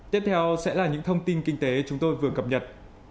tiếp theo sẽ là những thông tin kinh tế chúng tôi vừa cập nhật